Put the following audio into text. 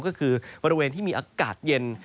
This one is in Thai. ก็คือบริเวณที่มีอากาศเย็น